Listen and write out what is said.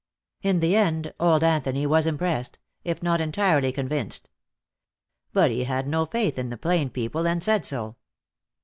In the end old Anthony was impressed, if not entirely convinced. But he had no faith in the plain people, and said so.